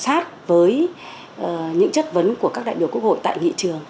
sát với những chất vấn của các đại biểu quốc hội tại nghị trường